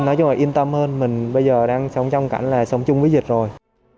nói chung là yên tâm hơn mình bây giờ đang sống trong cảnh là sống chung với dịch rồi